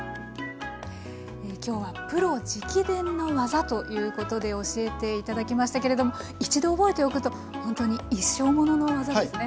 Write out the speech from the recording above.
今日はプロ直伝の技ということで教えていただきましたけれども一度覚えておくとほんとに一生ものの技ですね。